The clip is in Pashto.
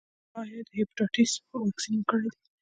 ایا د هیپاټایټس واکسین مو کړی دی؟